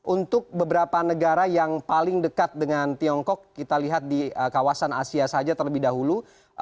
untuk beberapa negara yang paling dekat dengan tiongkok kita lihat di kawasan asia saja terlebih dahulu